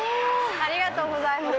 ありがとうございます。